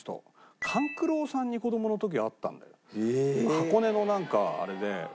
箱根のなんかあれで。